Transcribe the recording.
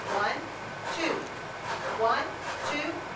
One! two! One! two!